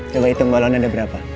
coba hitung balon ada berapa